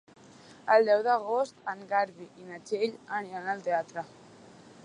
El deu d'agost en Garbí i na Txell aniran al teatre.